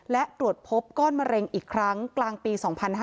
และตรวจพบก้อนมะเร็งอีกครั้งกลางปี๒๕๕๙